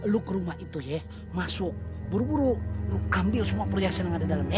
lu ke rumah itu ya masuk buru buru ambil semua perhiasan ada dalam ya